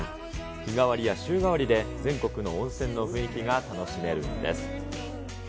日替わりや週替わりで、全国の温泉の雰囲気が楽しめるんです。